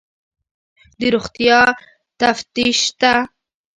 د روغتیا تفتیش شته؟